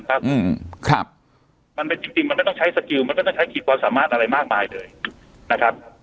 แต่จริงมันก็ไม่ต้องใช้ศักดิ์มันไม่ต้องใช้ขีดความสามารถอะไรมากมายเลยนะครับ